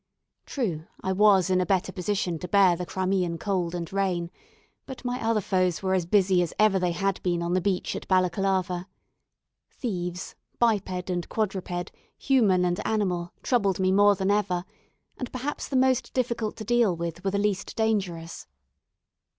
True, I was in a better position to bear the Crimean cold and rain, but my other foes were as busy as ever they had been on the beach at Balaclava. Thieves, biped and quadruped, human and animal, troubled me more than ever; and perhaps the most difficult to deal with were the least dangerous.